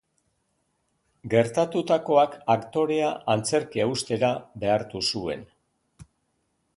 Gertatutakoak aktorea antzerkia uztera behartu zuen.